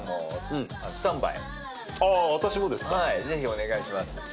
ぜひお願いします。